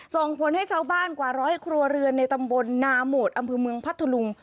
ส่งผลให้ชาวบ้านกว่าร้อยครัวเรือนในตำบลนาโหมดอำเภอเมืองพัทธลุง